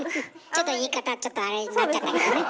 ちょっと言い方ちょっとアレになっちゃったけどね。